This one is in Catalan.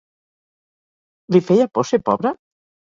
Li feia por ser pobre?